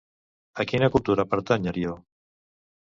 A quina cultura pertany Arió?